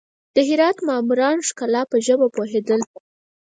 د هرات معماران د ښکلا په ژبه پوهېدل.